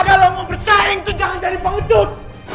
lo kalau mau bersaing tuh jangan jadi pengutuk